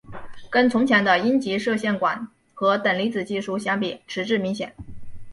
跟从前的阴极射线管和等离子技术相比迟滞明显。